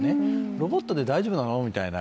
ロボットで大丈夫なの？みたいな。